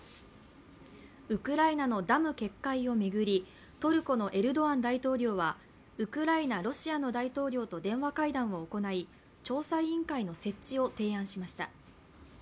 ウクライナのダム決壊を巡り、トルコのエルドアン大統領はウクライナ、ロシアの大統領と電話会談を行い、調査委員会の設置を提案しました。